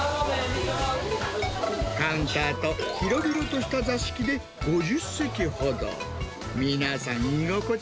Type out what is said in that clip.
カウンターと広々とした座敷で５０席ほど。